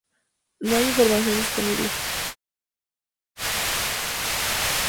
No hay información disponible.